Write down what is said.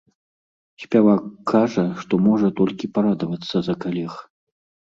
Спявак кажа, што можа толькі парадавацца за калег.